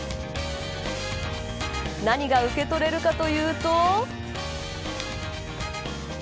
何が受け取れるかというと。